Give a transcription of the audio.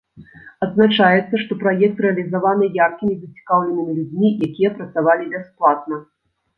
Адзначаецца, што праект рэалізаваны яркімі і зацікаўленымі людзьмі, якія працавалі бясплатна.